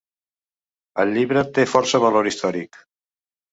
El llibre té força valor històric.